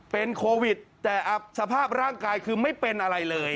เป็นโควิดแต่สภาพร่างกายคือไม่เป็นอะไรเลย